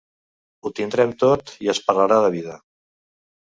Ho tindrem tot i es parlarà de vida.